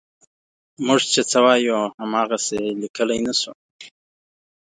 موږ چې څه وایو هماغسې یې لیکلی نه شو.